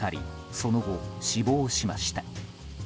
その後、死亡しました。